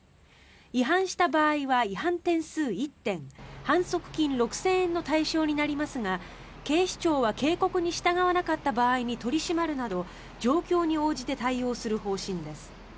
違反した場合は違反点数１点反則金６０００円の対象になりますが警視庁は警告に従わなかった場合に取り締まるなど状況に応じて対応する方針です。